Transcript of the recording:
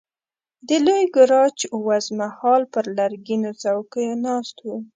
د لوی ګاراج وزمه هال پر لرګینو څوکیو ناست وو.